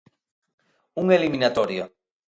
Unha eliminatoria.